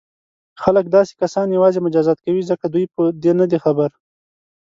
خلک داسې کسان یوازې مجازات کوي ځکه دوی په دې نه دي خبر.